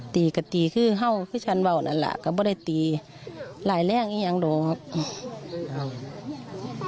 ตีก็ตีคือเห่าคือฉันว่าวนั่นแหละก็ไม่ได้ตีหลายแรกยังโดนครับ